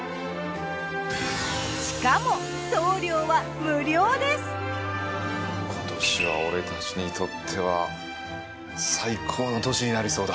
しかも今年は俺たちにとっては最高の年になりそうだ。